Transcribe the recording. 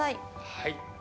はい。